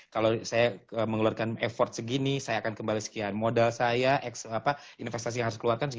kalau saya mengeluarkan effort segini saya akan kembali sekian modal saya ekstra apa investasi yang harus saya keluarkan segini